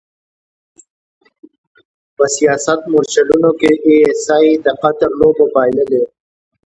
په سیاست مورچلونو کې ای ایس ای د قطر لوبه بایللې.